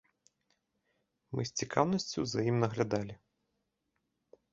Мы з цікаўнасцю за ім наглядалі.